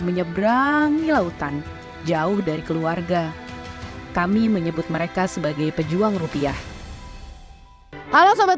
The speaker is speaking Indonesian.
menyeberangi lautan jauh dari keluarga kami menyebut mereka sebagai pejuang rupiah halal sobat